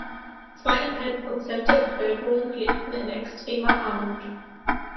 Zweieinhalb Prozent der Bevölkerung lebten in extremer Armut.